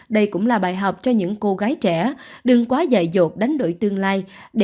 đây cũng là bài học cho những cô gái trẻ đừng quá dạy dột đánh đổi tương lai